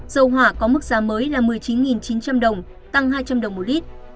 dầu hỏa có mức giá mới là một mươi chín chín trăm linh đồng tăng hai trăm linh đồng một lít